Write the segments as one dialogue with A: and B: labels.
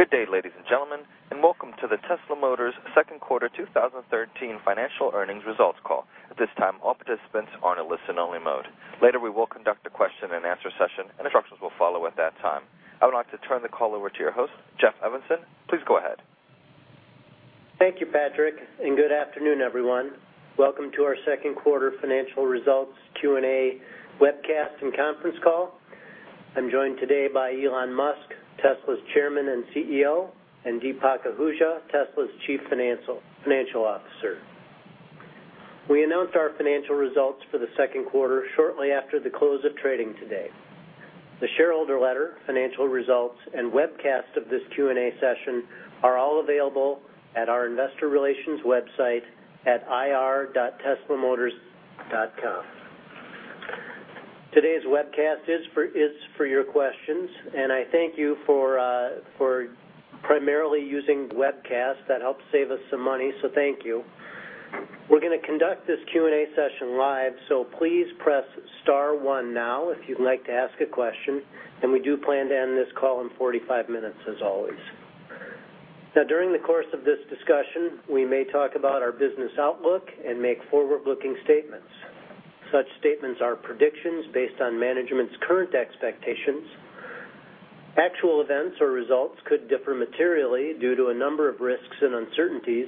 A: Good day, ladies and gentlemen. Welcome to the Tesla Motors Second Quarter 2013 Financial Earnings Results Call. At this time, all participants are in listen only mode. Later, we will conduct a question and answer session. Instructions will follow at that time. I would like to turn the call over to your host, Jeff Evanson. Please go ahead.
B: Thank you, Patrick. Good afternoon, everyone. Welcome to our second quarter financial results Q&A webcast and conference call. I am joined today by Elon Musk, Tesla's Chairman and CEO, and Deepak Ahuja, Tesla's Chief Financial Officer. We announced our financial results for the second quarter shortly after the close of trading today. The shareholder letter, financial results, webcast of this Q&A session are all available at our investor relations website at ir.teslamotors.com. Today's webcast is for your questions. I thank you for primarily using webcast. That helps save us some money. Thank you. We are going to conduct this Q&A session live. Please press star one now if you would like to ask a question. We do plan to end this call in 45 minutes as always. During the course of this discussion, we may talk about our business outlook and make forward-looking statements. Such statements are predictions based on management's current expectations. Actual events or results could differ materially due to a number of risks and uncertainties,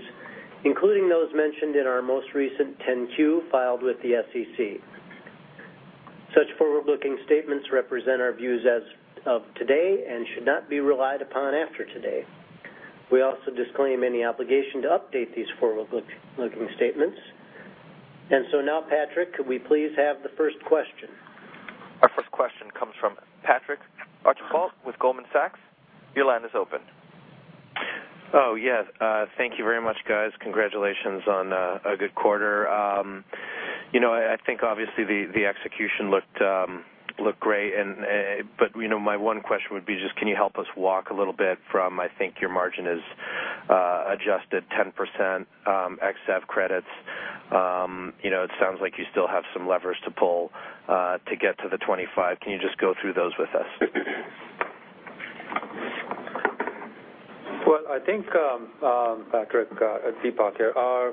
B: including those mentioned in our most recent 10-Q filed with the SEC. Such forward-looking statements represent our views as of today and should not be relied upon after today. We also disclaim any obligation to update these forward-looking statements. Now, Patrick, could we please have the first question?
A: Our first question comes from Patrick Archambault with Goldman Sachs. Your line is open.
C: Oh, yes. Thank you very much, guys. Congratulations on a good quarter. I think obviously the execution looked great. My one question would be just can you help us walk a little bit from, I think your margin is adjusted 10% ZEV credits. It sounds like you still have some levers to pull to get to the 25%. Can you just go through those with us?
D: Well, I think, Patrick, it's Deepak here. Our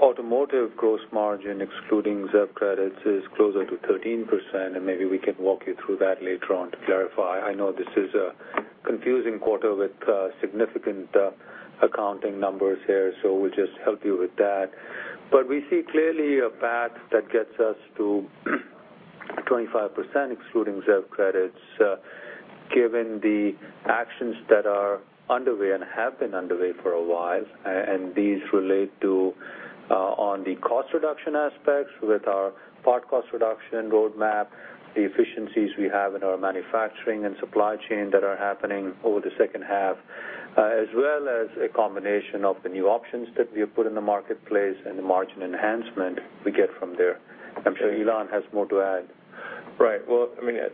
D: automotive gross margin, excluding ZEV credits, is closer to 13%. Maybe we can walk you through that later on to clarify. I know this is a confusing quarter with significant accounting numbers here. We'll just help you with that. We see clearly a path that gets us to 25%, excluding ZEV credits given the actions that are underway and have been underway for a while. These relate to on the cost reduction aspects with our part cost reduction roadmap, the efficiencies we have in our manufacturing and supply chain that are happening over the second half, as well as a combination of the new options that we have put in the marketplace and the margin enhancement we get from there. I'm sure Elon has more to add.
E: Right. Well,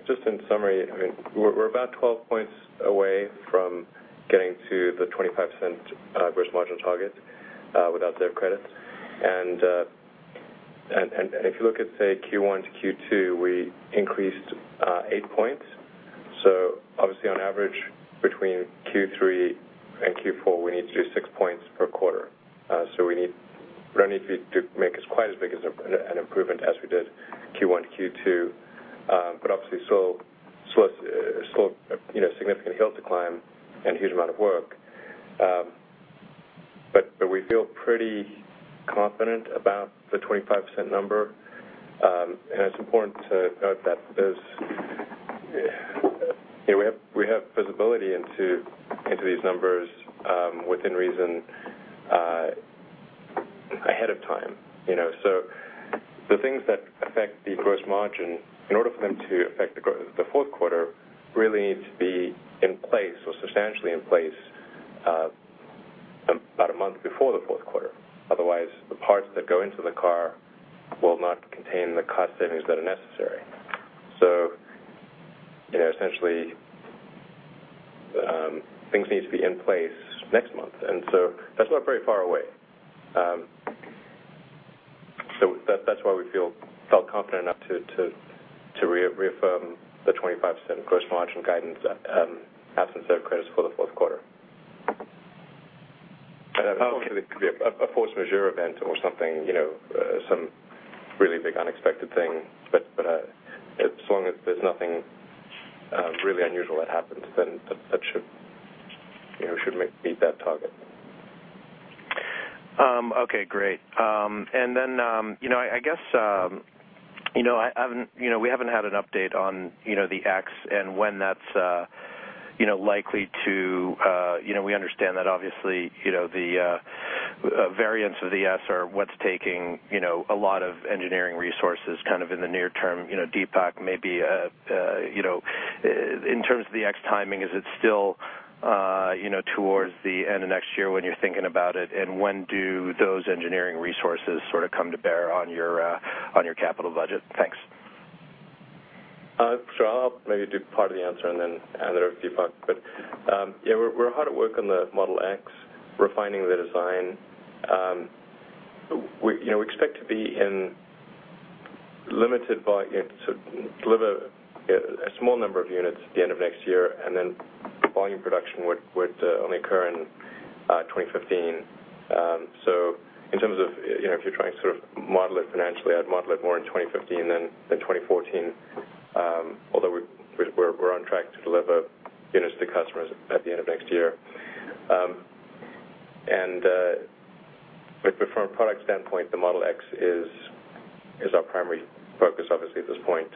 E: just in summary, we're about 12 points away from getting to the 25% gross margin target without ZEV credits. If you look at, say, Q1 to Q2, we increased eight points. Obviously on average between Q3 and Q4, we need to do six points per quarter. We don't need to make as quite as big an improvement as we did Q1 to Q2. Obviously, still a significant hill to climb and huge amount of work. We feel pretty confident about the 25% number. It's important to note that we have visibility into these numbers within reason ahead of time. The things that affect the gross margin, in order for them to affect the fourth quarter, really need to be in place or substantially in place about a month before the fourth quarter. Otherwise, the parts that go into the car will not contain the cost savings that are necessary. Essentially, things need to be in place next month, and so that's not very far away. That's why we felt confident enough to reaffirm the 25% gross margin guidance, absence of credits for the fourth quarter. Obviously, there could be a force majeure event or something, some really big unexpected thing. As long as there's nothing really unusual that happens, then that should meet that target.
C: Okay, great. I guess we haven't had an update on the X and when that's likely to. We understand that obviously, the variants of the S are what's taking a lot of engineering resources in the near term. Deepak, maybe in terms of the X timing, is it still towards the end of next year when you're thinking about it? When do those engineering resources come to bear on your capital budget? Thanks.
E: Sure. I'll maybe do part of the answer and then hand it over to Deepak. We're hard at work on the Model X, refining the design. We expect to be in limited volume to deliver a small number of units at the end of next year, and then volume production would only occur in 2015. In terms of if you're trying to model it financially, I'd model it more in 2015 than in 2014. Although we're on track to deliver units to customers at the end of next year. From a product standpoint, the Model X is our primary focus, obviously, at this point.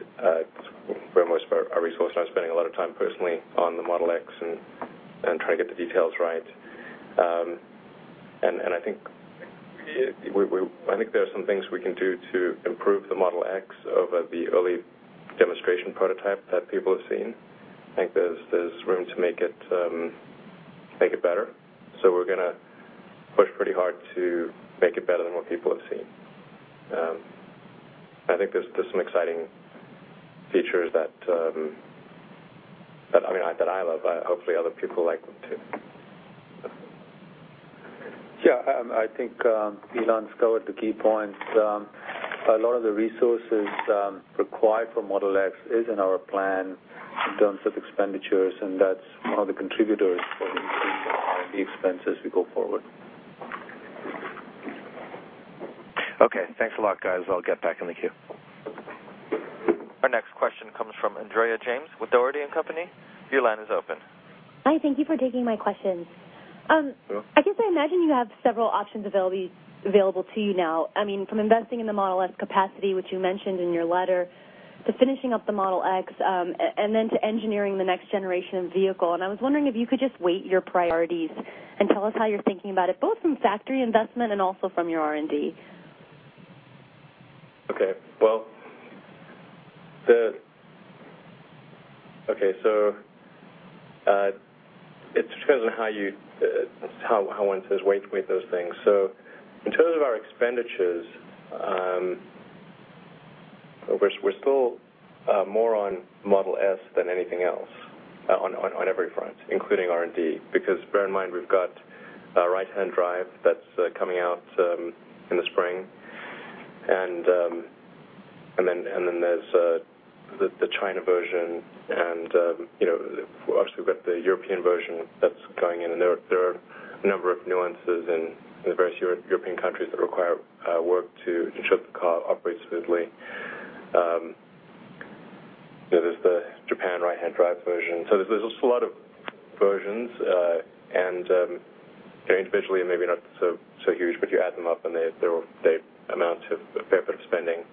E: Most of our resources are spending a lot of time personally on the Model X and trying to get the details right. I think there are some things we can do to improve the Model X over the early demonstration prototype that people have seen. I think there's room to make it better. We're going to push pretty hard to make it better than what people have seen. I think there's some exciting features that I love. Hopefully other people like them, too.
D: Yeah. I think Elon's covered the key points. A lot of the resources required for Model X is in our plan in terms of expenditures, and that's one of the contributors for the increase in the expenses as we go forward.
C: Okay. Thanks a lot, guys. I'll get back in the queue.
A: Our next question comes from Andrea James with Dougherty & Company. Your line is open.
F: Hi, thank you for taking my questions.
E: Sure.
F: I guess I imagine you have several options available to you now. From investing in the Model S capacity, which you mentioned in your letter, to finishing up the Model X, then to engineering the next generation of vehicle. I was wondering if you could just weight your priorities and tell us how you're thinking about it, both from factory investment and also from your R&D.
E: Okay. Well, it depends on how one says weight with those things. In terms of our expenditures, we're still more on Model S than anything else on every front, including R&D. Bear in mind, we've got a right-hand drive that's coming out in the spring. Then there's the China version and obviously we've got the European version that's going in and there are a number of nuances in the various European countries that require work to ensure the car operates smoothly. There's the Japan right-hand drive version. There's a lot of versions, and individually maybe not so huge, but you add them up and they amount to a fair bit of spending.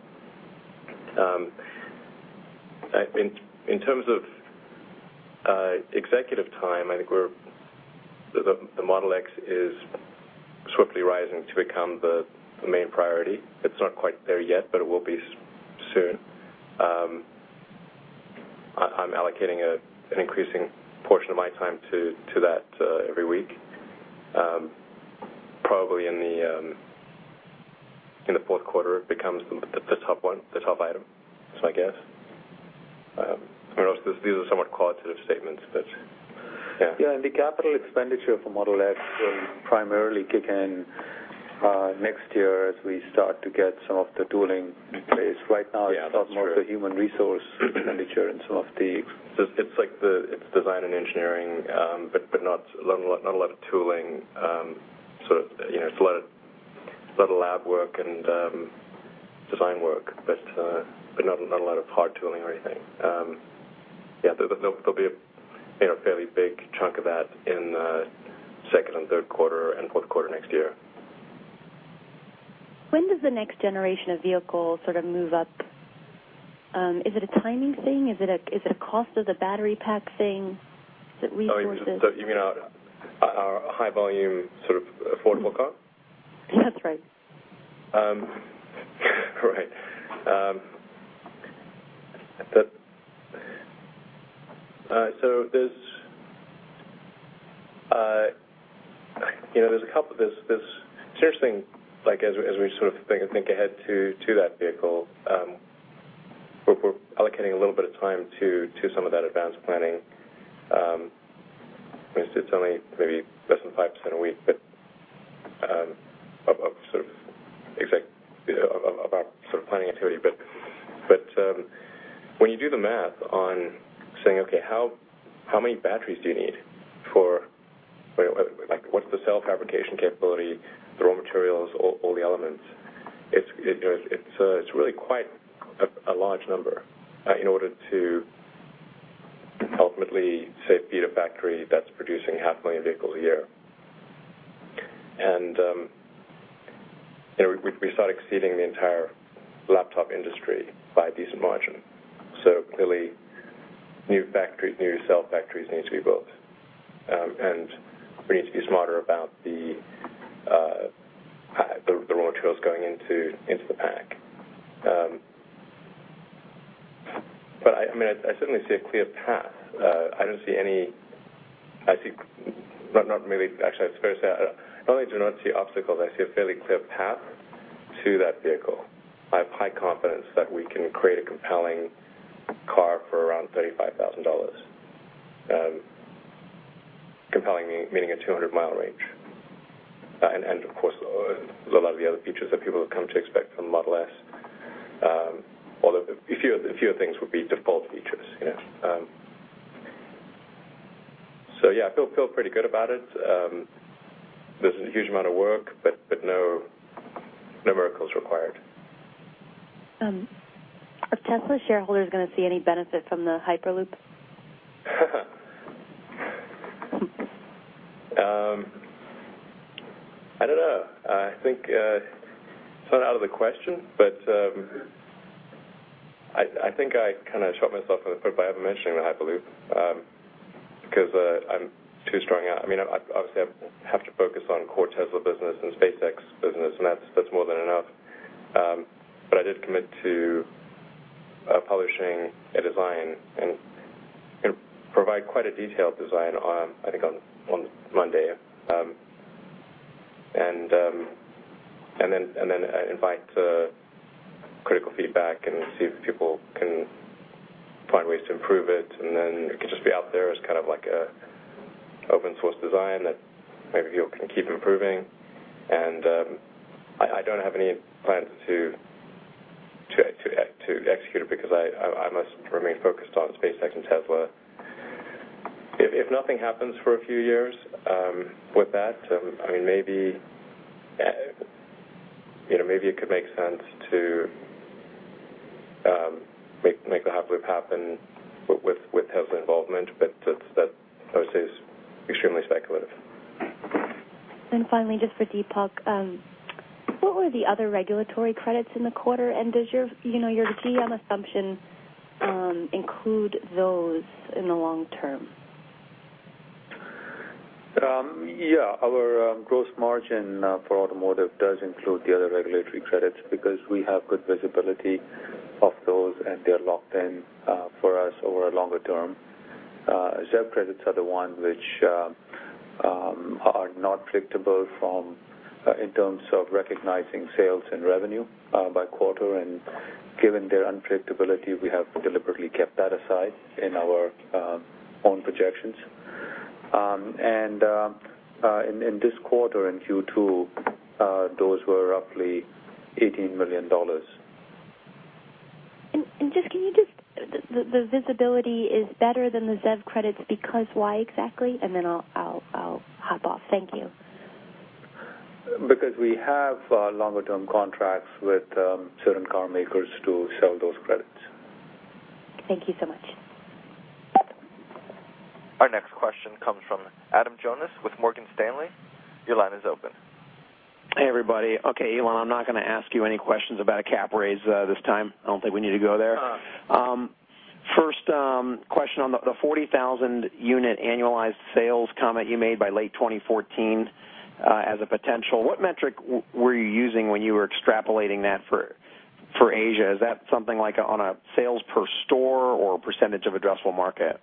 E: In terms of executive time, I think the Model X is swiftly rising to become the main priority. It's not quite there yet, but it will be soon. I'm allocating an increasing portion of my time to that every week. Probably in the fourth quarter, it becomes the top item. I guess these are somewhat qualitative statements, but yeah.
D: Yeah, the capital expenditure for Model X will primarily kick in next year as we start to get some of the tooling in place. Right now.
E: Yeah, that's true.
D: It's more of the human resource expenditure and some of the-
E: It's design and engineering, not a lot of tooling. It's a lot of lab work and design work, not a lot of hard tooling or anything. Yeah, there'll be a fairly big chunk of that in the second and third quarter and fourth quarter next year.
F: When does the next generation of vehicles move up? Is it a timing thing? Is it a cost of the battery pack thing, that resources-
E: Oh, you mean our high-volume, affordable car?
F: That's right.
E: Right. There's a couple interesting, as we think ahead to that vehicle, we're allocating a little bit of time to some of that advanced planning. It's only maybe less than 5% a week, but of our planning activity. When you do the math on saying, okay, how many batteries do you need for, like what's the cell fabrication capability, the raw materials, all the elements? It's really quite a large number in order to ultimately, say, feed a factory that's producing half a million vehicles a year. We start exceeding the entire laptop industry by a decent margin. Clearly, new cell factories need to be built. We need to be smarter about the raw materials going into the pack. I certainly see a clear path. I not only do not see obstacles, I see a fairly clear path to that vehicle. I have high confidence that we can create a compelling $35,000. Compelling meaning a 200-mile range. Of course, a lot of the other features that people have come to expect from Model S. A few things would be default features. Yeah, I feel pretty good about it. This is a huge amount of work, but no miracles required.
F: Are Tesla shareholders going to see any benefit from the Hyperloop?
E: I don't know. I think it's not out of the question, but I think I kind of shot myself in the foot by even mentioning the Hyperloop because I'm too strung out. Obviously, I have to focus on core Tesla business and SpaceX business, and that's more than enough. I did commit to publishing a design and provide quite a detailed design, I think, on Monday. Then invite critical feedback and see if people can find ways to improve it, and then it can just be out there as kind of like an open-source design that maybe people can keep improving. I don't have any plans to execute it because I must remain focused on SpaceX and Tesla. If nothing happens for a few years with that, maybe it could make sense to make the Hyperloop happen with Tesla involvement, but that I would say is extremely speculative.
F: Finally, just for Deepak. What were the other regulatory credits in the quarter, and does your GM assumption include those in the long term?
D: Yeah. Our gross margin for automotive does include the other regulatory credits because we have good visibility of those, and they're locked in for us over a longer term. ZEV credits are the ones which are not predictable in terms of recognizing sales and revenue by quarter. Given their unpredictability, we have deliberately kept that aside in our own projections. In this quarter, in Q2, those were roughly $18 million.
F: Can you just, the visibility is better than the ZEV credits because why exactly? I'll hop off. Thank you.
D: We have longer-term contracts with certain car makers to sell those credits.
F: Thank you so much.
A: Our next question comes from Adam Jonas with Morgan Stanley. Your line is open.
G: Hey, everybody. Okay, Elon, I'm not going to ask you any questions about a cap raise this time. I don't think we need to go there.
E: Uh-uh.
G: First question on the 40,000 unit annualized sales comment you made by late 2014 as a potential. What metric were you using when you were extrapolating that for Asia? Is that something like on a sales per store or percentage of addressable market?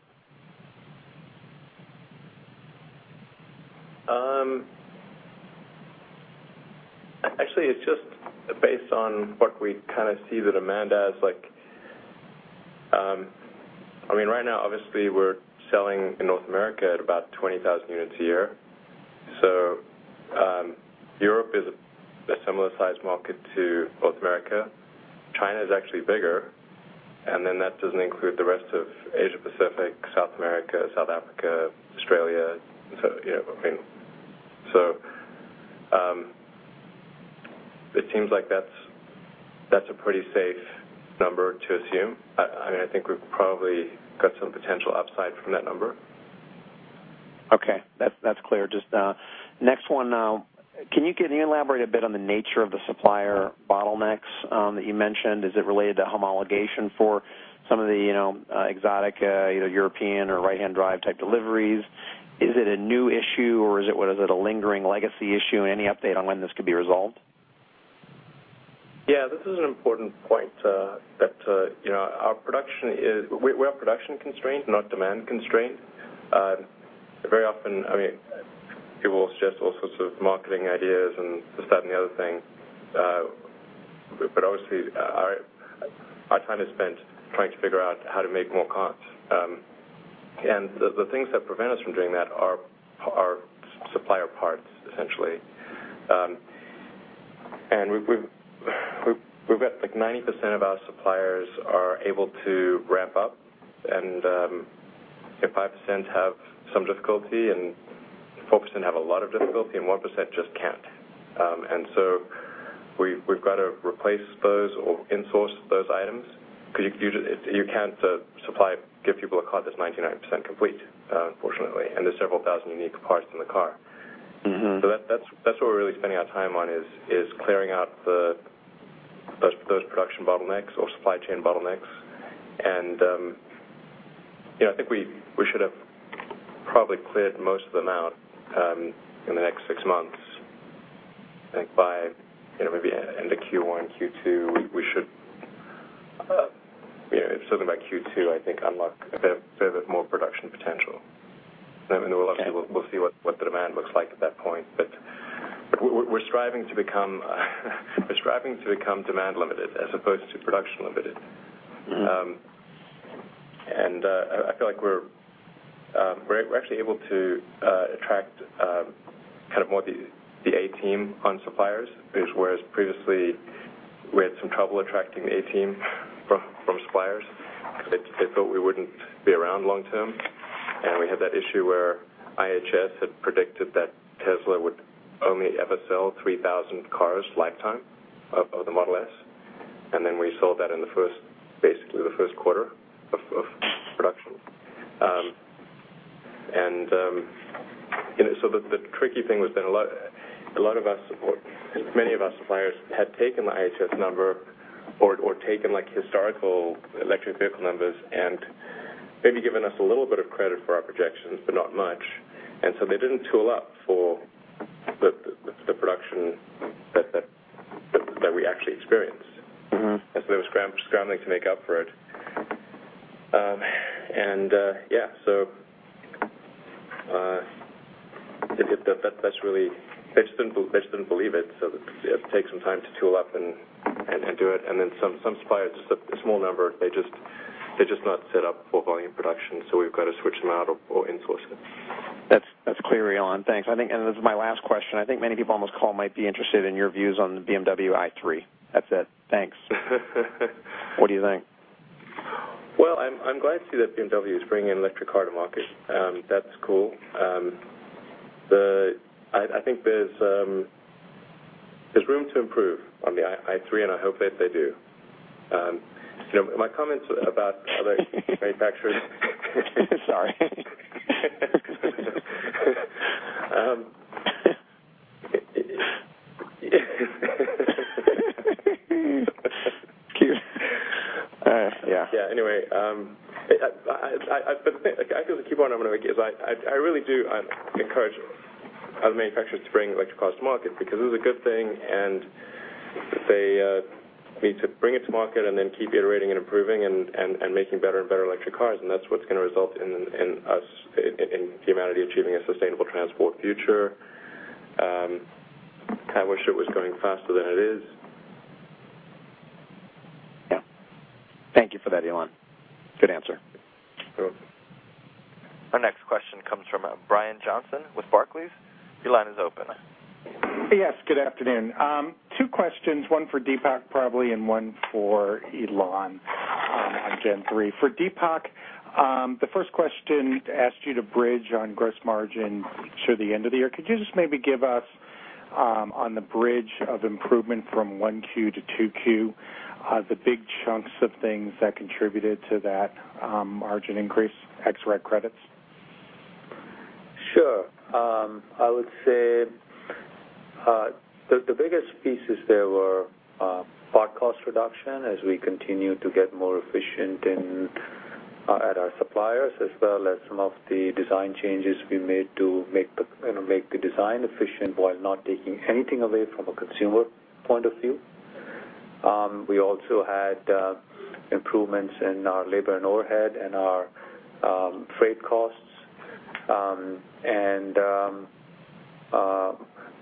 E: Actually, it's just based on what we kind of see the demand as. Right now, obviously, we're selling in North America at about 20,000 units a year. Europe is a similar-sized market to North America. China is actually bigger, that doesn't include the rest of Asia-Pacific, South America, South Africa, Australia. It seems like that's a pretty safe number to assume. I think we've probably got some potential upside from that number.
G: Okay. That's clear. Just next one now. Can you elaborate a bit on the nature of the supplier bottlenecks that you mentioned? Is it related to homologation for some of the exotic, either European or right-hand drive type deliveries? Is it a new issue or is it a lingering legacy issue? Any update on when this could be resolved?
E: This is an important point that our production is, we are production constrained, not demand constrained. Very often, people suggest all sorts of marketing ideas and this, that, and the other thing. Obviously, our time is spent trying to figure out how to make more cars. The things that prevent us from doing that are supplier parts, essentially. We've got 90% of our suppliers are able to ramp up, and 5% have some difficulty, and 4% have a lot of difficulty, and 1% just can't. We've got to replace those or in-source those items because you can't give people a car that's 99% complete, unfortunately. There's several thousand unique parts in the car. That's what we're really spending our time on, is clearing out those production bottlenecks or supply chain bottlenecks. I think we should have probably cleared most of them out in the next six months. I think by maybe into Q1, Q2, we should, certainly by Q2, I think, unlock a fair bit more production potential. We'll obviously see what the demand looks like at that point, but we're striving to become demand limited as opposed to production limited. I feel like we're actually able to attract more the A team on suppliers, whereas previously we had some trouble attracting the A team from suppliers. They thought we wouldn't be around long-term, and we had that issue where IHS had predicted that Tesla would only ever sell 3,000 cars lifetime of the Model S. Then we sold that in basically the first quarter of production. The tricky thing was that many of our suppliers had taken the IHS number or taken historical electric vehicle numbers and maybe given us a little bit of credit for our projections, but not much. They didn't tool up for the production that we actually experienced. They were scrambling to make up for it. Yeah, they just didn't believe it, so it takes some time to tool up and do it. Then some suppliers, just a small number, they're just not set up for volume production, so we've got to switch them out or in-source it.
G: That's clear, Elon. Thanks. This is my last question. I think many people on this call might be interested in your views on the BMW i3. That's it. Thanks. What do you think?
E: Well, I'm glad to see that BMW's bringing an electric car to market. That's cool. I think there's room to improve on the i3, and I hope that they do.
G: Sorry.
E: Cute.
D: Yeah.
E: Yeah. Anyway, I feel the key point I'm going to make is I really do encourage other manufacturers to bring electric cars to market because this is a good thing, and they need to bring it to market and then keep iterating and improving and making better and better electric cars. That's what's going to result in humanity achieving a sustainable transport future. Kind of wish it was going faster than it is.
G: Yeah. Thank you for that, Elon. Good answer.
E: You're welcome.
A: Our next question comes from Brian Johnson with Barclays. Your line is open.
H: Yes, good afternoon. Two questions, one for Deepak, probably, and one for Elon on Gen3. For Deepak, the first question asks you to bridge on gross margin through the end of the year. Could you just maybe give us, on the bridge of improvement from one Q to two Q, the big chunks of things that contributed to that margin increase, X reg credits?
D: Sure. I would say the biggest pieces there were part cost reduction as we continue to get more efficient at our suppliers as well as some of the design changes we made to make the design efficient while not taking anything away from a consumer point of view. We also had improvements in our labor and overhead and our freight costs.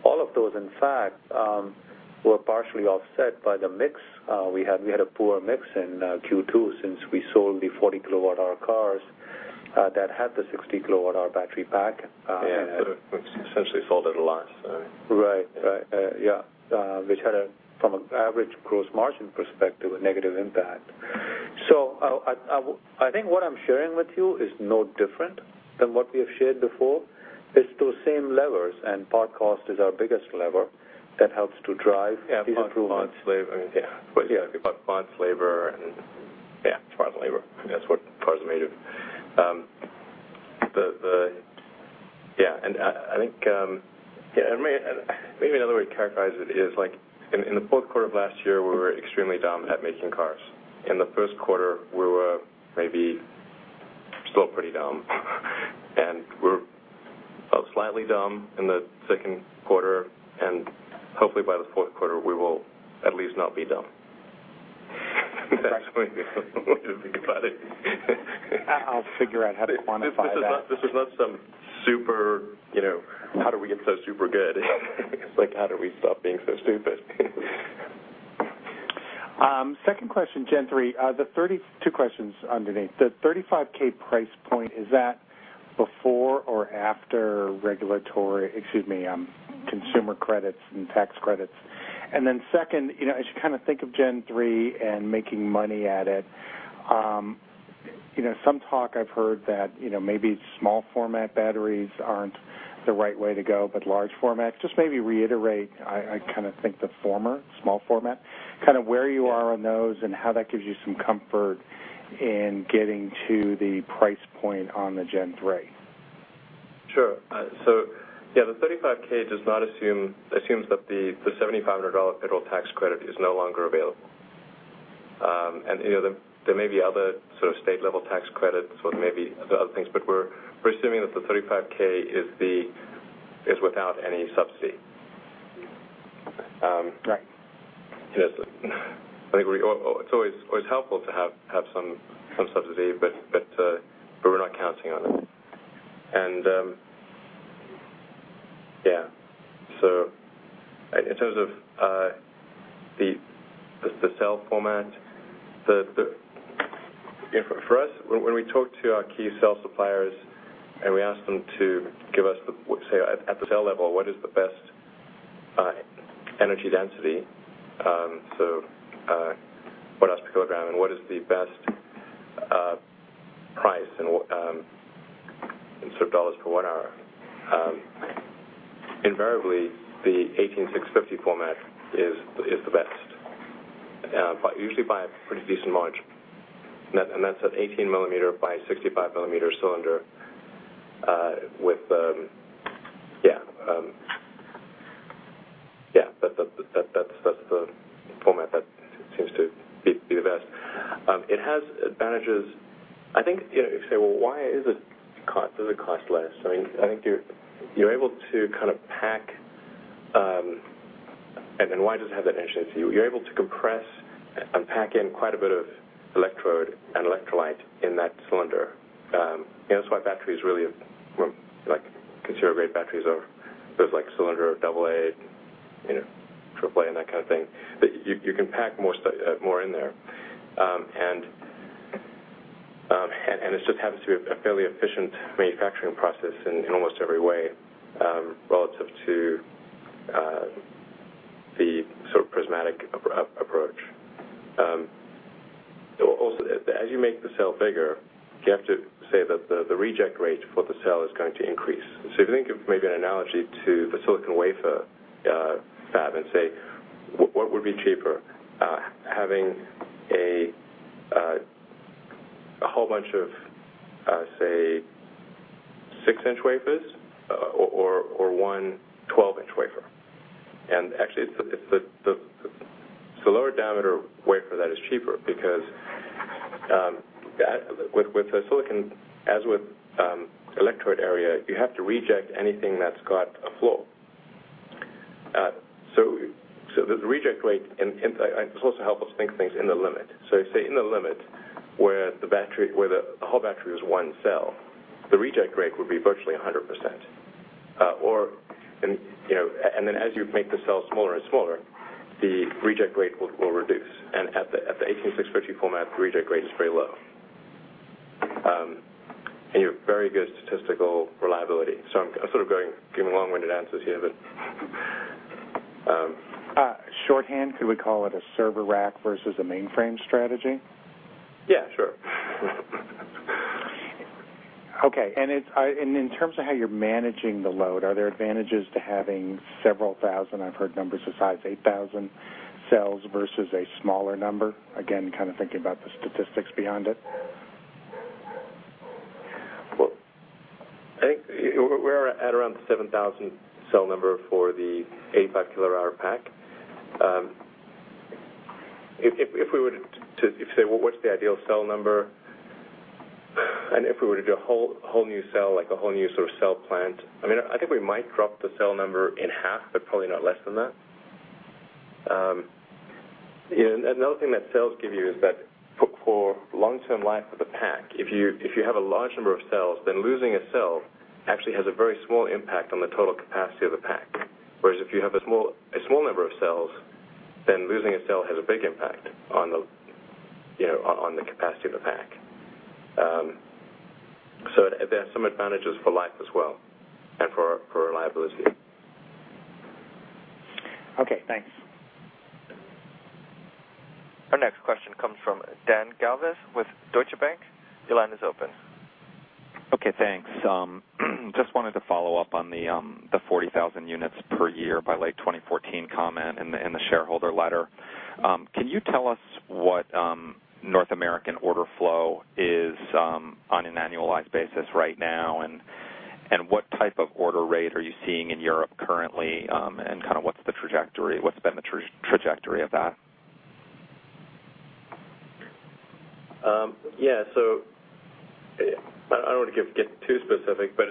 D: All of those, in fact, were partially offset by the mix. We had a poor mix in Q2 since we sold the 40 kilowatt-hour cars that had the 60 kilowatt-hour battery pack.
E: Which essentially sold at a loss, right?
D: Right. Which had, from an average gross margin perspective, a negative impact. I think what I'm sharing with you is no different than what we have shared before. It's those same levers, part cost is our biggest lever that helps to drive these improvements.
E: Parts, labor. Parts, labor, it's parts and labor. That's what cars are made of. Maybe another way to characterize it is in the fourth quarter of last year, we were extremely dumb at making cars. In the first quarter, we were maybe still pretty dumb. We're slightly dumb in the second quarter, hopefully, by the fourth quarter, we will at least not be dumb. That's the way to think about it.
H: I'll figure out how to quantify that.
E: This is not some super how do we get so super good? It's like, how do we stop being so stupid?
H: Second question, Gen 3. Two questions underneath. The $35,000 price point, is that before or after consumer credits and tax credits? Second, as you think of Gen 3 and making money at it, some talk I've heard that maybe small format batteries aren't the right way to go, but large format. Just maybe reiterate, I kind of think the former, small format, kind of where you are on those and how that gives you some comfort in getting to the price point on the Gen 3.
E: Sure. Yeah, the $35,000 assumes that the $7,500 federal tax credit is no longer available. There may be other sort of state-level tax credits or maybe other things, but we're assuming that the $35,000 is without any subsidy.
H: Right.
E: It's always helpful to have some subsidy, but we're not counting on it. Yeah. In terms of the cell format, for us, when we talk to our key cell suppliers and we ask them to give us, say, at the cell level, what is the best energy density, so watt-hours per kilogram, and what is the best price in sort of $ per watt hour, invariably, the 18650 format is the best, usually by a pretty decent margin. That's an 18 mm by 65 mm cylinder. That's the format that seems to be the best. It has advantages. I think if you say, well, why does it cost less? I think you're able to kind of pack, and then why does it have that energy density? You're able to compress and pack in quite a bit of electrode and electrolyte in that cylinder. That's why consumer-grade batteries, there's like cylinder, double A, triple A, and that kind of thing. You can pack more in there. It just happens to be a fairly efficient manufacturing process in almost every way, relative to the sort of prismatic approach. Also, as you make the cell bigger, you have to say that the reject rate for the cell is going to increase. If you think of maybe an analogy to the silicon wafer fab and say, what would be cheaper, having a whole bunch of, say, 6-inch wafers or one 12-inch wafer? Actually, it's the lower diameter wafer that is cheaper because with the silicon, as with electrode area, you have to reject anything that's got a flaw. The reject rate, and it's also helpful to think of things in the limit. Say in the limit where the whole battery is one cell, the reject rate would be virtually 100%. Then as you make the cell smaller and smaller, the reject rate will reduce. At the 18650 format, the reject rate is very low. You have very good statistical reliability. I'm sort of giving long-winded answers here.
H: Shorthand, could we call it a server rack versus a mainframe strategy?
E: Yeah, sure.
H: Okay. In terms of how you're managing the load, are there advantages to having several thousand, I've heard numbers as high as 8,000 cells versus a smaller number? Again, kind of thinking about the statistics behind it.
E: Well, I think we're at around the 7,000-cell number for the 85 kilowatt-hour pack. If you say, well, what's the ideal cell number, if we were to do a whole new cell, like a whole new sort of cell plant, I think we might drop the cell number in half, but probably not less than that. Another thing that cells give you is that for long-term life of the pack, if you have a large number of cells, then losing a cell actually has a very small impact on the total capacity of the pack. Whereas if you have a small number of cells, then losing a cell has a big impact on the capacity of the pack. There are some advantages for life as well and for reliability.
H: Okay, thanks.
A: Our next question comes from Dan Galves with Deutsche Bank. Your line is open.
I: Okay, thanks. Just wanted to follow up on the 40,000 units per year by late 2014 comment in the shareholder letter. Can you tell us what North American order flow is on an annualized basis right now, and what type of order rate are you seeing in Europe currently, and what's been the trajectory of that?
E: Yeah. I don't want to get too specific, but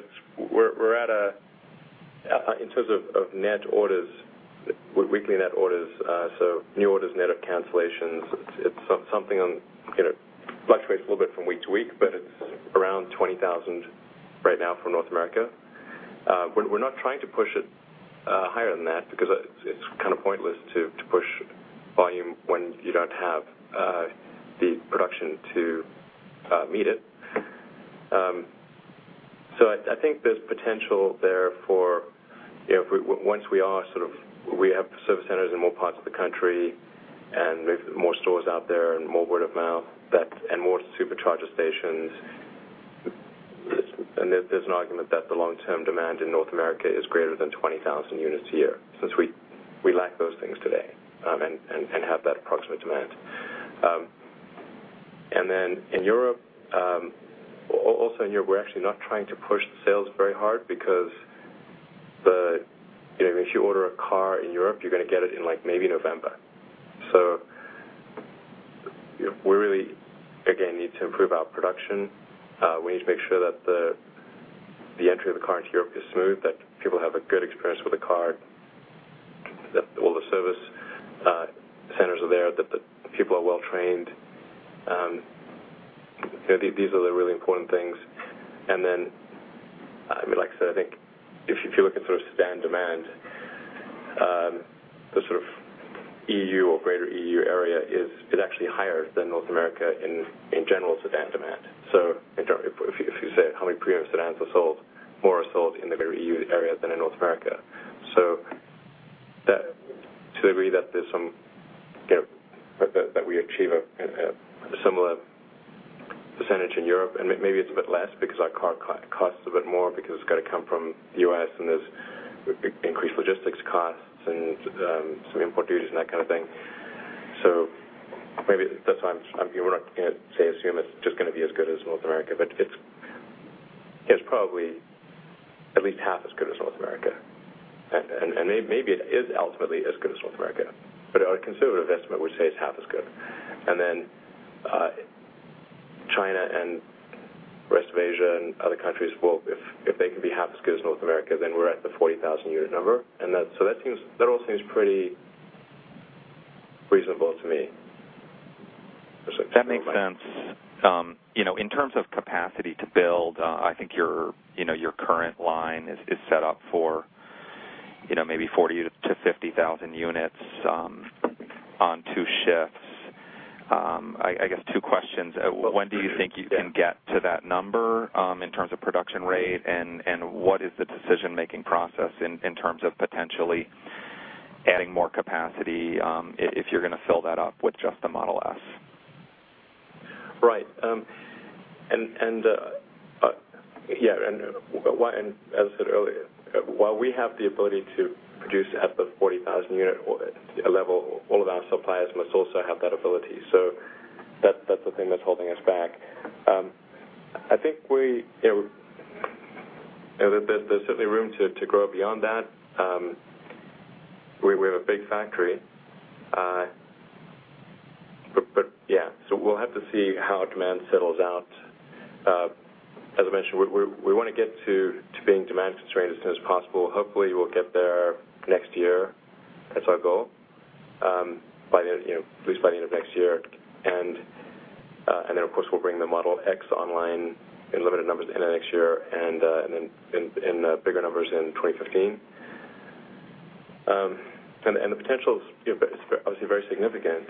E: in terms of net orders, weekly net orders, so new orders, net of cancellations, it fluctuates a little bit from week to week, but it's around 20,000 right now for North America. We're not trying to push it higher than that because it's pointless to push volume when you don't have the production to meet it. I think there's potential there for once we have service centers in more parts of the country and maybe more stores out there and more word of mouth and more Supercharger stations, and there's an argument that the long-term demand in North America is greater than 20,000 units a year since we lack those things today and have that approximate demand. In Europe, also in Europe, we're actually not trying to push the sales very hard because if you order a car in Europe, you're going to get it in maybe November. Improve our production. We need to make sure that the entry of the car into Europe is smooth, that people have a good experience with the car, that all the service centers are there, that the people are well-trained. These are the really important things. Like I said, I think if you look at sedan demand, the sort of EU or greater EU area is actually higher than North America in general sedan demand. If you say how many premium sedans are sold, more are sold in the greater EU area than in North America. To the degree that we achieve a similar percentage in Europe, and maybe it's a bit less because our car costs a bit more because it's got to come from the U.S., and there's increased logistics costs and some import duties and that thing. Maybe that's why we're not going to say assume it's just going to be as good as North America, but it's probably at least half as good as North America. Maybe it is ultimately as good as North America, but our conservative estimate would say it's half as good. China and the rest of Asia and other countries, well, if they can be half as good as North America, then we're at the 40,000 unit number. That all seems pretty reasonable to me.
I: That makes sense. In terms of capacity to build, I think your current line is set up for maybe 40,000 to 50,000 units on two shifts. I guess two questions. When do you think you can get to that number in terms of production rate, and what is the decision-making process in terms of potentially adding more capacity, if you're going to fill that up with just the Model S?
E: Right. As I said earlier, while we have the ability to produce at the 40,000 unit level, all of our suppliers must also have that ability. That's the thing that's holding us back. I think there's certainly room to grow beyond that. We have a big factory. Yeah, we'll have to see how demand settles out. As I mentioned, we want to get to being demand constrained as soon as possible. Hopefully, we'll get there next year. That's our goal. At least by the end of next year. Then, of course, we'll bring the Model X online in limited numbers end of next year and then in bigger numbers in 2015. The potential is obviously very significant.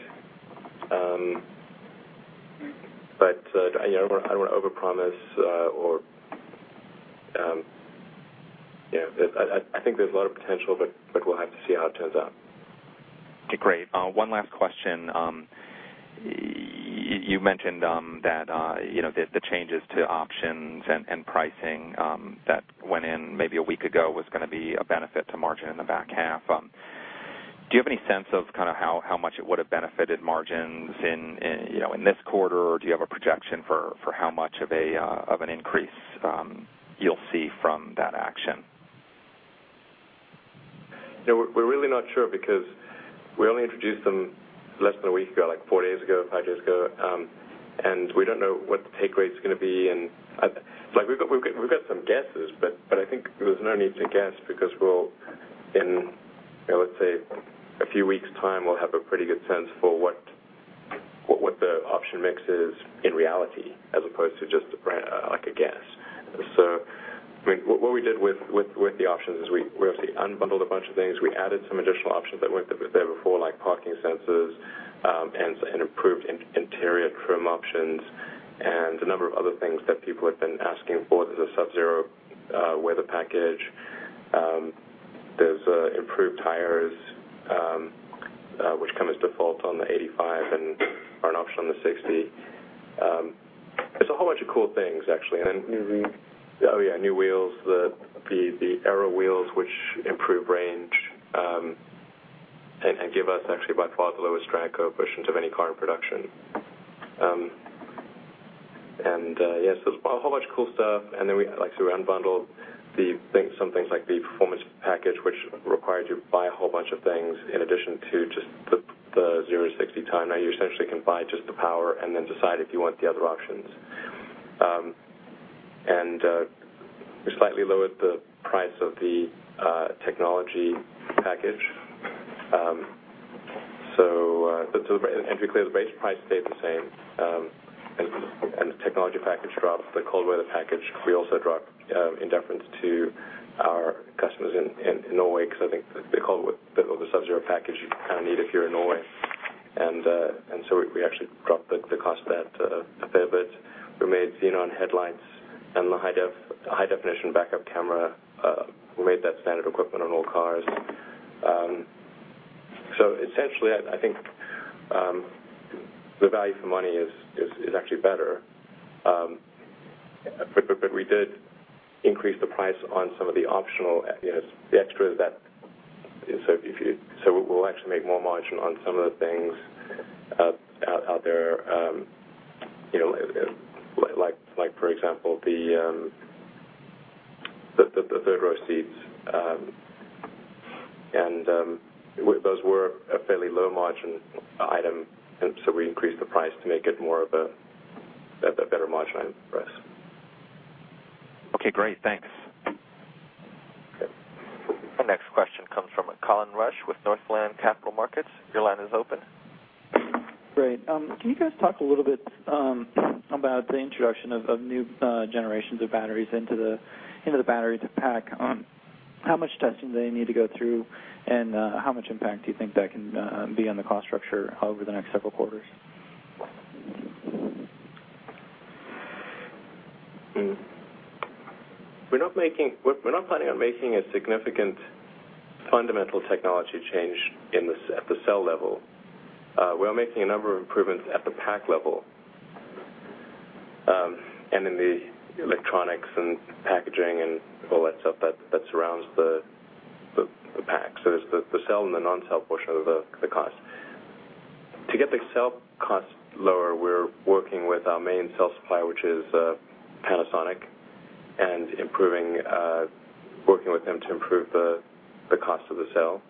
E: I don't want to overpromise. I think there's a lot of potential, but we'll have to see how it turns out.
I: Great. One last question. You mentioned that the changes to options and pricing that went in maybe a week ago was going to be a benefit to margin in the back half. Do you have any sense of how much it would've benefited margins in this quarter, or do you have a projection for how much of an increase you'll see from that action?
E: We're really not sure because we only introduced them less than a week ago, like four days ago, five days ago. We don't know what the take rate's going to be. We've got some guesses, but I think there's no need to guess because in let's say a few weeks' time, we'll have a pretty good sense for what the option mix is in reality, as opposed to just a guess. What we did with the options is we obviously unbundled a bunch of things. We added some additional options that weren't there before, like parking sensors and improved interior trim options and a number of other things that people had been asking for. There's a Sub-Zero Weather Package. There's improved tires, which come as default on the 85 and are an option on the 60. There's a whole bunch of cool things, actually.
I: New wheels.
E: Oh, yeah, new wheels. The Aero Wheels, which improve range and give us actually by far the lowest drag coefficient of any car in production. There's a whole bunch of cool stuff. We, like I say, we unbundled some things like the Performance Package, which required you to buy a whole bunch of things in addition to just the zero to 60 time. Now you essentially can buy just the power and then decide if you want the other options. We slightly lowered the price of the Technology Package. To be clear, the base price stayed the same. The Technology Package dropped. The Cold Weather Package, we also dropped in deference to our customers in Norway, because I think the Sub-Zero Package you kind of need if you're in Norway. We actually dropped the cost of that a fair bit. We made Xenon headlights and the high-definition backup camera, we made that standard equipment on all cars. Essentially, I think the value for money is actually better. We did increase the price on some of the optional, the extras. We'll actually make more margin on some of the things out there, like for example, the third-row seats And those were a fairly low margin item, and so we increased the price to make it more of a better margin item for us.
I: Okay, great. Thanks.
E: Okay.
A: The next question comes from Colin Rusch with Northland Capital Markets. Your line is open.
J: Great. Can you guys talk a little bit about the introduction of new generations of batteries into the battery pack? How much testing do they need to go through, and how much impact do you think that can be on the cost structure over the next several quarters?
E: We're not planning on making a significant fundamental technology change at the cell level. We are making a number of improvements at the pack level, and in the electronics and packaging and all that stuff that surrounds the pack. There's the cell and the non-cell portion of the cost. To get the cell cost lower, we're working with our main cell supplier, which is Panasonic, and working with them to improve the cost of the cell.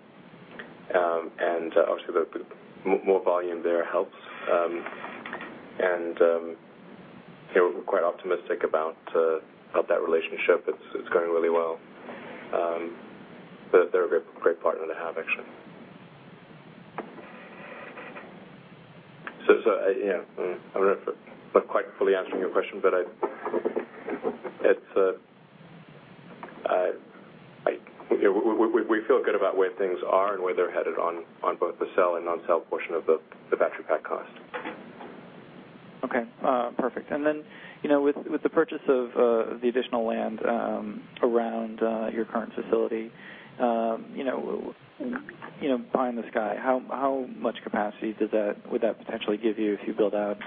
E: Obviously, more volume there helps. We're quite optimistic about that relationship. It's going really well. They're a great partner to have, actually. Yeah, I'm not quite fully answering your question, but we feel good about where things are and where they're headed on both the cell and non-cell portion of the battery pack cost.
J: Okay, perfect. Then, with the purchase of the additional land around your current facility, pie in the sky, how much capacity would that potentially give you if you build out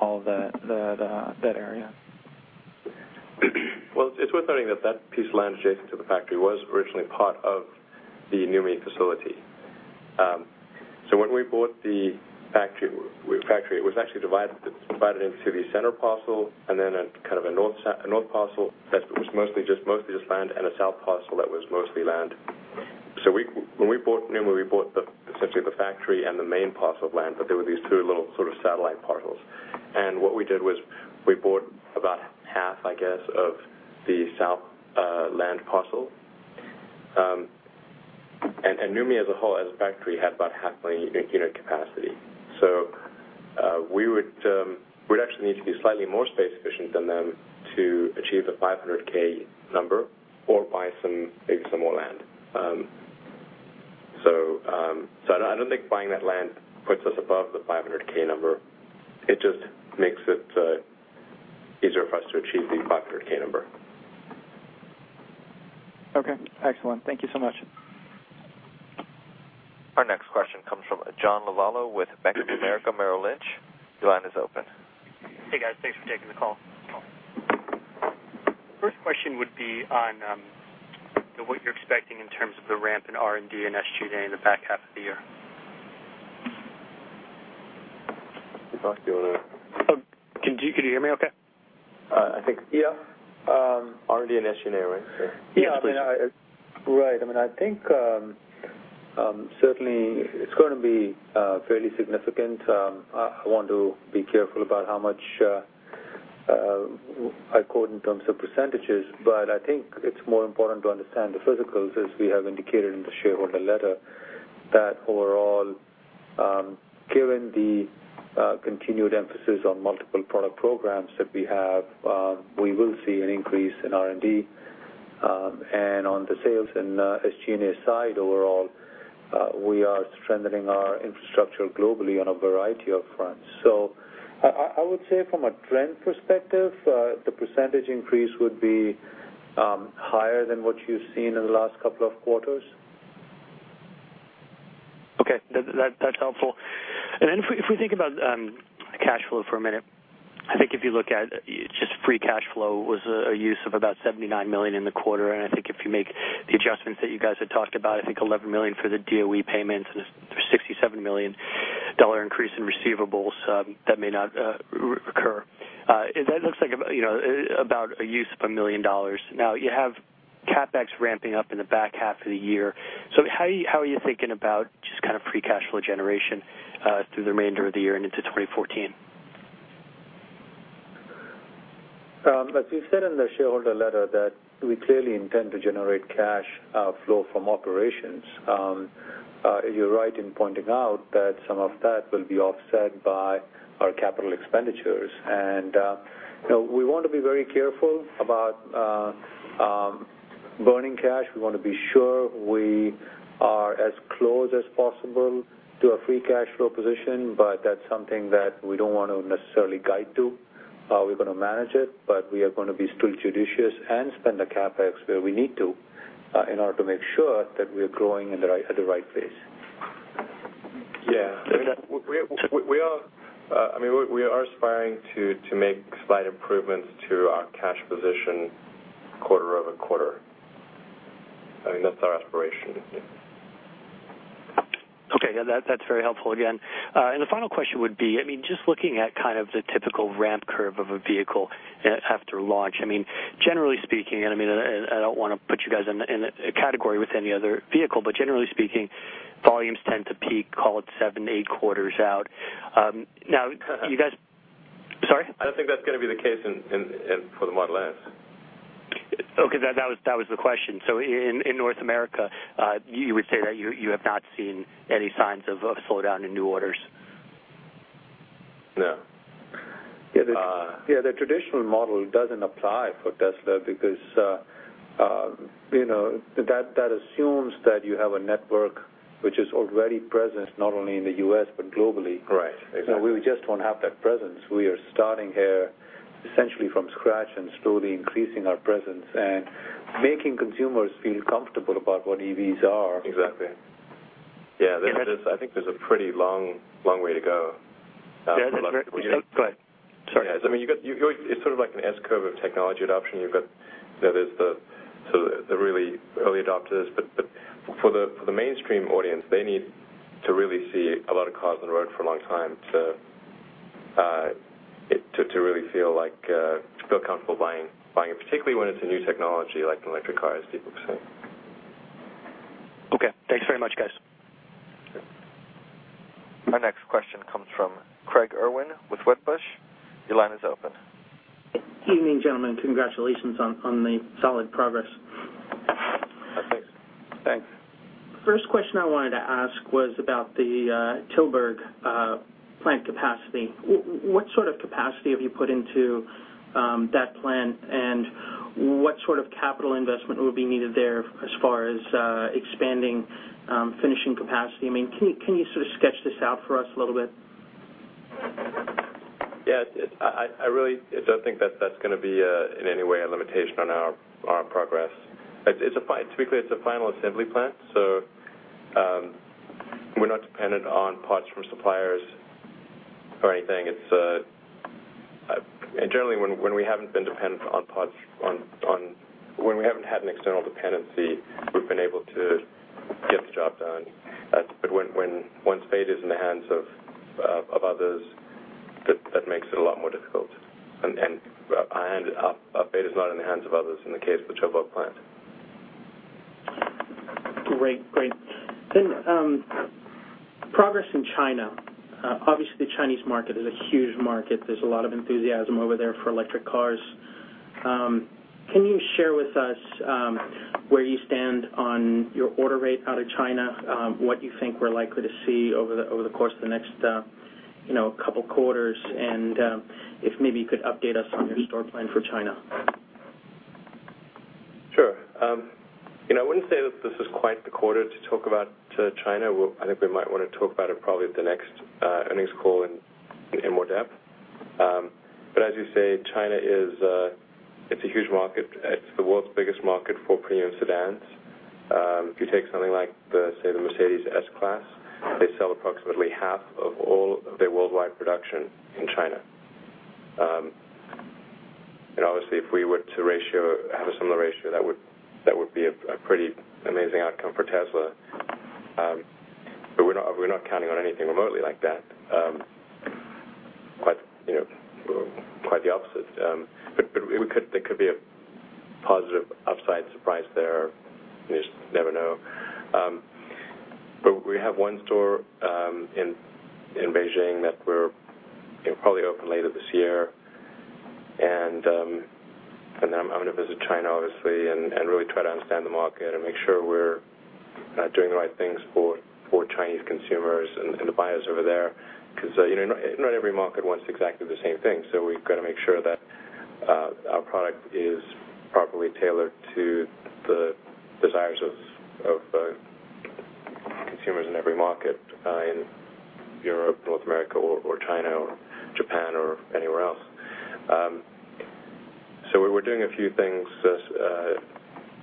J: all that area?
E: It's worth noting that piece of land adjacent to the factory was originally part of the NUMMI facility. When we bought the factory, it was actually divided into the center parcel and then a north parcel that was mostly just land, and a south parcel that was mostly land. When we bought NUMMI, we bought essentially the factory and the main parcel of land, but there were these two little sort of satellite parcels. What we did was we bought about half, I guess, of the south land parcel. NUMMI as a whole, as a factory, had about half million unit capacity. We'd actually need to be slightly more space efficient than them to achieve the 500K number or buy some, maybe some more land. I don't think buying that land puts us above the 500K number. It just makes it easier for us to achieve the 500K number.
J: Excellent. Thank you so much.
A: Our next question comes from John Lovallo with Bank of America Merrill Lynch. Your line is open.
K: Hey, guys. Thanks for taking the call. First question would be on what you're expecting in terms of the ramp in R&D and SG&A in the back half of the year.
E: I think you want to-
K: Can you hear me okay?
E: I think, yeah. R&D and SG&A, right?
D: Yeah, right. I think, certainly, it's going to be fairly significant. I want to be careful about how much I quote in terms of %, but I think it's more important to understand the physicals, as we have indicated in the shareholder letter, that overall, given the continued emphasis on multiple product programs that we have, we will see an increase in R&D. On the sales and SG&A side, overall, we are strengthening our infrastructure globally on a variety of fronts. From a trend perspective, the % increase would be higher than what you've seen in the last couple of quarters.
K: Okay. That's helpful. If we think about cash flow for a minute, I think if you look at just free cash flow was a use of about $79 million in the quarter, and I think if you make the adjustments that you guys had talked about, I think $11 million for the DOE payments and the $67 million increase in receivables, that may not recur. That looks like about a use of $1 million. You have CapEx ramping up in the back half of the year. How are you thinking about just kind of free cash flow generation through the remainder of the year and into 2014?
D: As we've said in the shareholder letter, that we clearly intend to generate cash flow from operations. You're right in pointing out that some of that will be offset by our capital expenditures. We want to be very careful about burning cash. We want to be sure we are as close as possible to a free cash flow position, but that's something that we don't want to necessarily guide to. We're going to manage it, but we are going to be still judicious and spend the CapEx where we need to in order to make sure that we're growing at the right pace.
E: Yeah. We are aspiring to make slight improvements to our cash position quarter-over-quarter. That's our aspiration.
K: Okay, that's very helpful again. The final question would be, just looking at the typical ramp curve of a vehicle after launch, generally speaking, and I don't want to put you guys in a category with any other vehicle, but generally speaking, volumes tend to peak, call it seven, eight quarters out. Sorry?
E: I don't think that's going to be the case for the Model S.
K: Okay. That was the question. In North America, you would say that you have not seen any signs of a slowdown in new orders?
E: No.
D: Yeah, the traditional model doesn't apply for Tesla because that assumes that you have a network which is already present not only in the U.S. but globally.
E: Right. Exactly.
D: We just don't have that presence. We are starting here essentially from scratch and slowly increasing our presence and making consumers feel comfortable about what EVs are.
E: Exactly. Yeah, I think there's a pretty long way to go.
K: Yeah, that's right. Go ahead. Sorry.
E: It's sort of like an S-curve of technology adoption. There's the really early adopters, but for the mainstream audience, they need to really see a lot of cars on the road for a long time to really feel comfortable buying it, particularly when it's a new technology like an electric car, as people say.
K: Okay. Thanks very much, guys.
A: Our next question comes from Craig Irwin with Wedbush. Your line is open.
L: Evening, gentlemen. Congratulations on the solid progress.
E: Thanks.
D: Thanks.
L: First question I wanted to ask was about the Tilburg plant capacity. What sort of capacity have you put into that plant, and what sort of capital investment will be needed there as far as expanding finishing capacity? Can you sort of sketch this out for us a little bit?
E: Yeah, I really don't think that that's going to be in any way a limitation on our progress. Typically, it's a final assembly plant, so we're not dependent on parts from suppliers or anything. Generally, when we haven't had an external dependency, we've been able to get the job done. Once fate is in the hands of others, that makes it a lot more difficult. Fate is not in the hands of others in the case of the Tilburg plant.
L: Great. Progress in China. Obviously, the Chinese market is a huge market. There's a lot of enthusiasm over there for electric cars. Can you share with us where you stand on your order rate out of China, what you think we're likely to see over the course of the next couple quarters, and if maybe you could update us on your store plan for China?
E: Sure. I wouldn't say that this is quite the quarter to talk about China. I think we might want to talk about it probably at the next earnings call in more depth. As you say, China is a huge market. It's the world's biggest market for premium sedans. If you take something like, say, the Mercedes-Benz S-Class, they sell approximately half of all of their worldwide production in China. Obviously, if we were to have a similar ratio, that would be a pretty amazing outcome for Tesla. We're not counting on anything remotely like that. Quite the opposite. There could be a positive upside surprise there. You just never know. We have one store in Beijing that we're probably open later this year. I'm going to visit China, obviously, and really try to understand the market and make sure we're doing the right things for Chinese consumers and the buyers over there, because not every market wants exactly the same thing. We've got to make sure that our product is properly tailored to the desires of consumers in every market, in Europe, North America or China or Japan or anywhere else. We're doing a few things,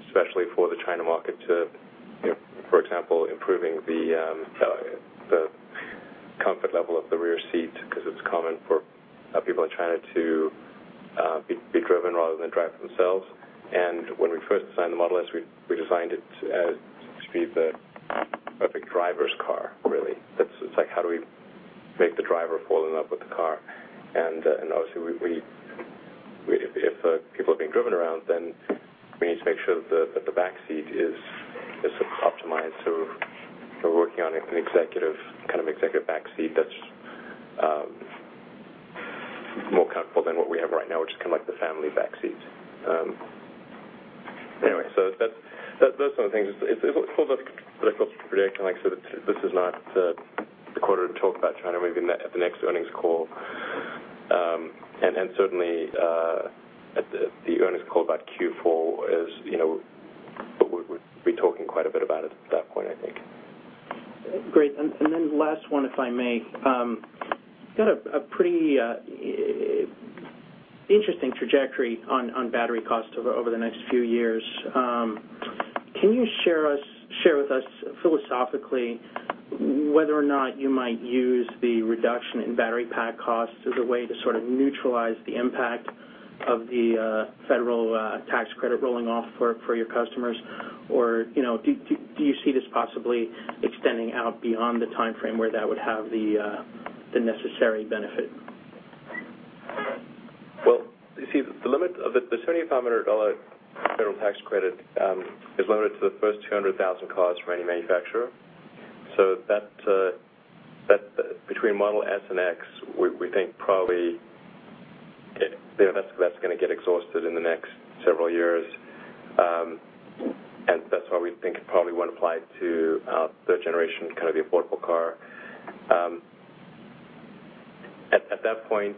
E: especially for the China market, for example, improving the comfort level of the rear seat because it's common for people in China to be driven rather than drive themselves. When we first designed the Model S, we designed it to be the perfect driver's car, really. It's like, how do we make the driver fall in love with the car? Obviously, if people are being driven around, then we need to make sure that the back seat is optimized. We're working on an executive back seat that's more comfortable than what we have right now, which is kind of like the family back seat. Anyway, those sort of things. It's a little difficult to predict. This is not the quarter to talk about China. Maybe at the next earnings call, and certainly at the earnings call about Q4, we'll be talking quite a bit about it at that point, I think.
L: Great. Last one, if I may. Got a pretty interesting trajectory on battery cost over the next few years. Can you share with us philosophically whether or not you might use the reduction in battery pack costs as a way to sort of neutralize the impact of the federal tax credit rolling off for your customers, or do you see this possibly extending out beyond the timeframe where that would have the necessary benefit?
E: Well, you see, the $7,500 federal tax credit is limited to the first 200,000 cars from any manufacturer. Between Model S and X, we think probably that's going to get exhausted in the next several years. That's why we think it probably won't apply to the third generation, kind of the affordable car. At that point,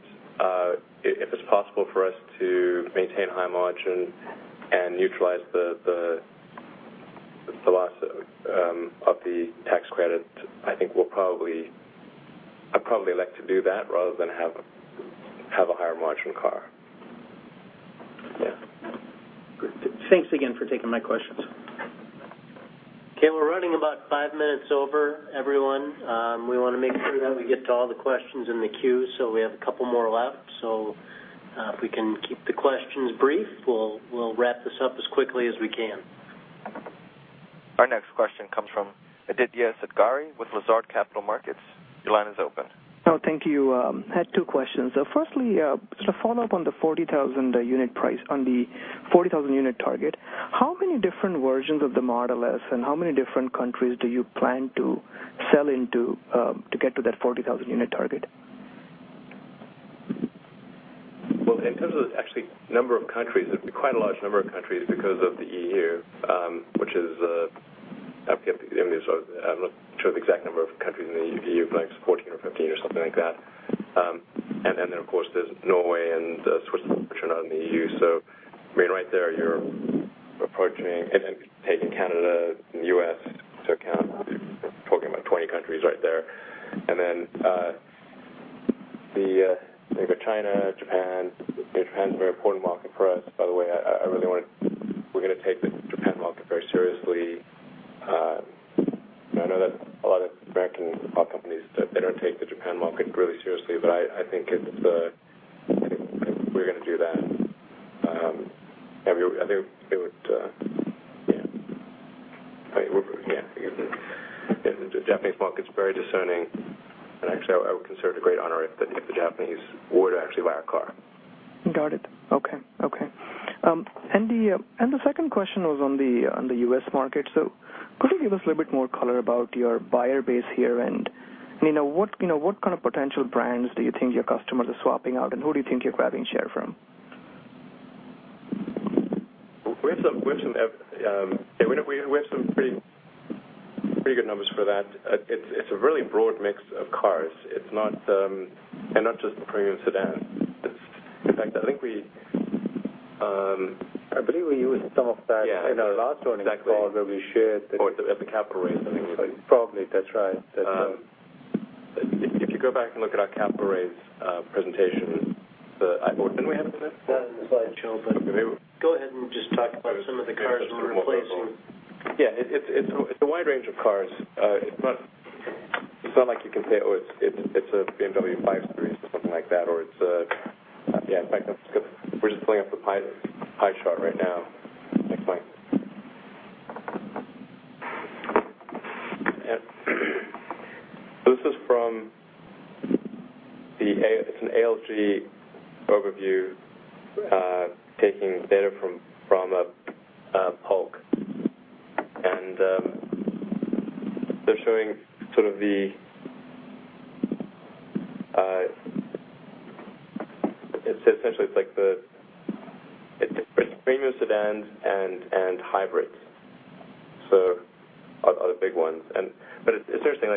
E: if it's possible for us to maintain high margin and utilize the loss of the tax credit, I think I'd probably like to do that rather than have a higher margin car. Yeah.
L: Good. Thanks again for taking my questions.
B: Okay, we're running about five minutes over, everyone. We want to make sure that we get to all the questions in the queue, we have a couple more left. If we can keep the questions brief, we'll wrap this up as quickly as we can.
A: Our next question comes from Aditya Satghare with Lazard Capital Markets. Your line is open.
M: Oh, thank you. I had two questions. Firstly, just a follow-up on the 40,000 unit target. How many different versions of the Model S and how many different countries do you plan to sell into to get to that 40,000 unit target?
E: In terms of actually number of countries, it's quite a large number of countries because of the EU, which is, I'm not sure the exact number of countries in the EU, but like 14 or 15 or something like that. Of course, there's Norway and Switzerland, which are not in the EU. Right there you're approaching, and taking Canada and the U.S. into account, you're talking about 20 countries right there. You've got China, Japan. Japan's a very important market for us, by the way. We're going to take the Japan market very seriously. I know that a lot of American companies, they don't take the Japan market really seriously, I think we're going to do that. The Japanese market's very discerning, actually, I would consider it a great honor if the Japanese were to actually buy our car.
M: Got it. Okay. The second question was on the U.S. market. Could you give us a little bit more color about your buyer base here, what kind of potential brands do you think your customers are swapping out, who do you think you're grabbing share from?
E: We have some pretty good numbers for that. It's a really broad mix of cars. It's not just premium sedans. In fact, I think we.
B: I believe we used some of that.
E: Yeah
B: in our last earnings call where we shared-
E: At the Capital Raise, I think it was.
B: Probably. That's right.
E: If you go back and look at our Capital Raise presentation, when do we have them in it?
B: It's not in the slideshow, go ahead and just talk about some of the cars you're replacing.
E: Yeah. It's a wide range of cars. It's not like you can say, oh, it's a BMW 5 Series or something like that. Yeah, in fact, we're just pulling up a pie chart right now. Next slide. This is from an ALG overview, taking data from Polk. They're showing essentially it's like the premium sedans and hybrids are the big ones. It's interesting,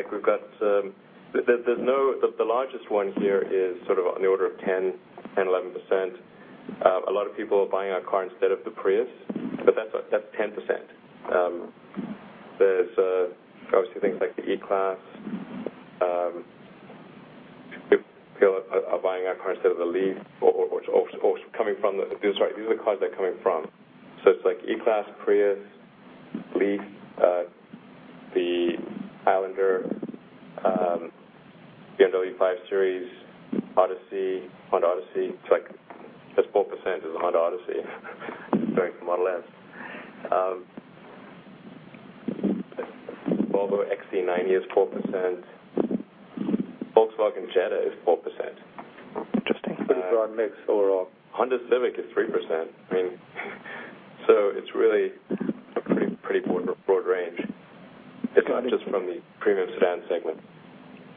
E: the largest one here is on the order of 10, 11%. A lot of people are buying our car instead of the Prius, but that's 10%. There's obviously things like the E-Class. People are buying our car instead of the LEAF, or coming from the Sorry, these are the cars they're coming from. It's like E-Class, Prius, LEAF, the Highlander, BMW 5 Series, Honda Odyssey. It's like just 4% is a Honda Odyssey going for Model S. Volvo XC90 is 4%. Volkswagen Jetta is 4%.
M: Interesting.
B: Pretty broad mix overall.
E: Honda Civic is 3%. It's really a pretty broad range.
M: Got it.
E: It's not just from the premium sedan segment.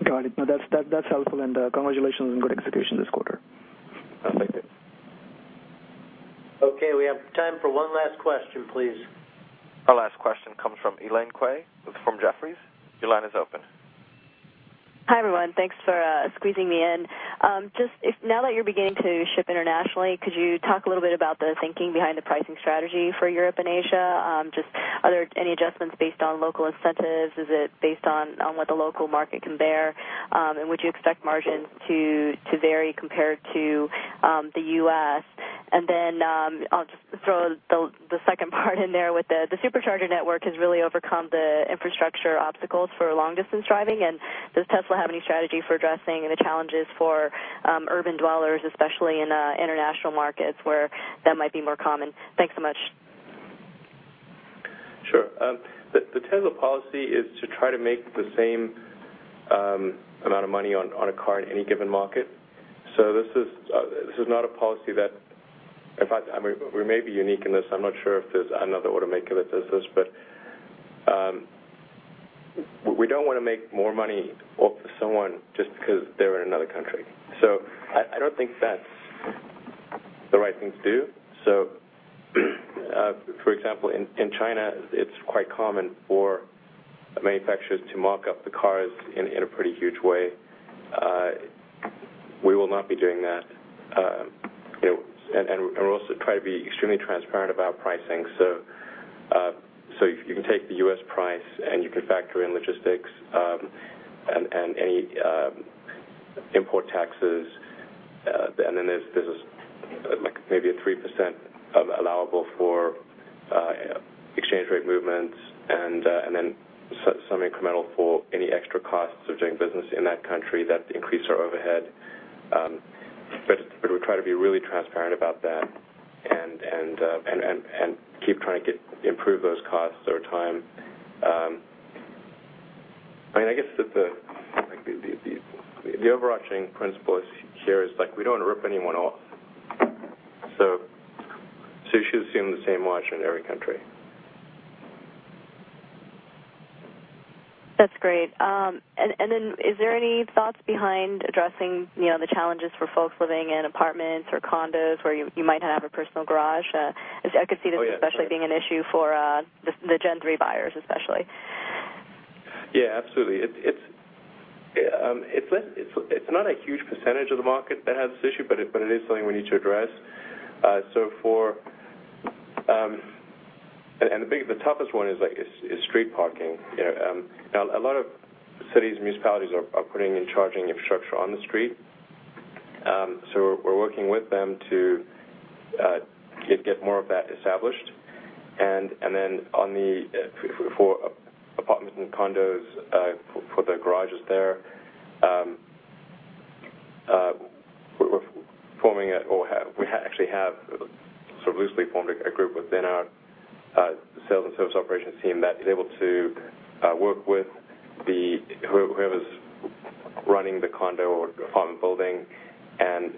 M: Got it. No, that's helpful, and congratulations on good execution this quarter.
E: Oh, thank you.
B: Okay, we have time for one last question, please.
A: Our last question comes from Elaine Kwei, from Jefferies. Your line is open.
N: Hi, everyone. Thanks for squeezing me in. Now that you're beginning to ship internationally, could you talk a little bit about the thinking behind the pricing strategy for Europe and Asia? Are there any adjustments based on local incentives? Is it based on what the local market can bear? Would you expect margins to vary compared to the U.S.? I'll just throw the second part in there with the Supercharger network has really overcome the infrastructure obstacles for long-distance driving. Does Tesla have any strategy for addressing the challenges for urban dwellers, especially in international markets, where that might be more common? Thanks so much.
E: Sure. The Tesla policy is to try to make the same amount of money on a car in any given market. This is not a policy. In fact, we may be unique in this. I'm not sure if there's another automaker that does this, but we don't want to make more money off of someone just because they're in another country. I don't think that's the right thing to do. For example, in China, it's quite common for manufacturers to mark up the cars in a pretty huge way. We will not be doing that. We'll also try to be extremely transparent about pricing. You can take the U.S. price, and you can factor in logistics and any import taxes. There's maybe a 3% allowable for exchange rate movements and then some incremental for any extra costs of doing business in that country that increase our overhead. We try to be really transparent about that and keep trying to improve those costs over time. I guess the overarching principle here is we don't want to rip anyone off. You should assume the same margin in every country.
N: That's great. Are there any thoughts behind addressing the challenges for folks living in apartments or condos where you might not have a personal garage? I could see this.
E: Oh, yeah
N: being an issue for the Gen 3 buyers especially.
E: Yeah, absolutely. It's not a huge percentage of the market that has this issue, but it is something we need to address. The biggest, the toughest one is street parking. A lot of cities and municipalities are putting in charging infrastructure on the street. We're working with them to get more of that established. For apartments and condos for the garages there, we're forming, or we actually have sort of loosely formed a group within our sales and service operations team that is able to work with whoever's running the condo or apartment building and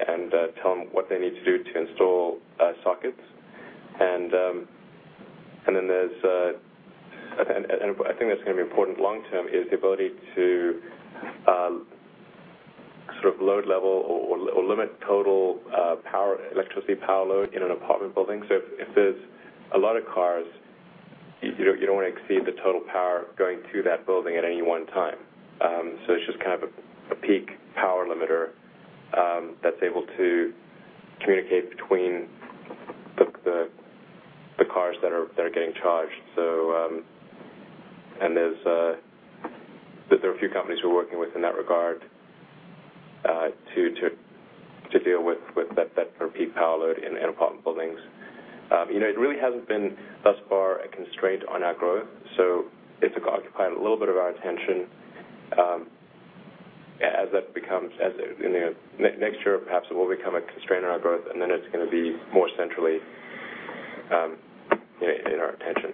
E: tell them what they need to do to install sockets. I think that's going to be important long term is the ability to sort of load level or limit total electricity power load in an apartment building. If there's a lot of cars, you don't want to exceed the total power going to that building at any one time. It's just kind of a peak power limiter that's able to communicate between the cars that are getting charged. There are a few companies we're working with in that regard to deal with that peak power load in apartment buildings. It really hasn't been, thus far, a constraint on our growth. It's occupied a little bit of our attention. Next year, perhaps it will become a constraint on our growth, then it's going to be more centrally in our attention.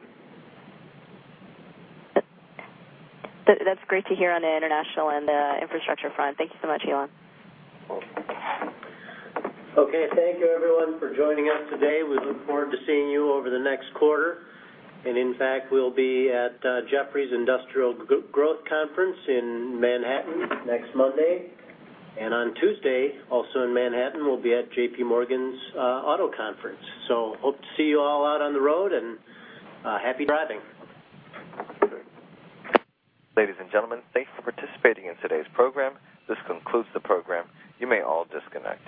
N: That's great to hear on the international and infrastructure front. Thank you so much, Elon.
E: Welcome.
B: Okay, thank you everyone for joining us today. We look forward to seeing you over the next quarter. In fact, we'll be at Jefferies Industrial Growth Conference in Manhattan next Monday. On Tuesday, also in Manhattan, we'll be at J.P. Morgan's Auto Conference. Hope to see you all out on the road, and happy driving.
E: Okay.
A: Ladies and gentlemen, thanks for participating in today's program. This concludes the program. You may all disconnect.